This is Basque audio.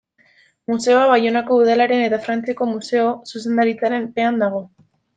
Museoa Baionako Udalaren eta Frantziako Museo Zuzendaritzaren pean dago.